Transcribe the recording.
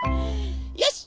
よし！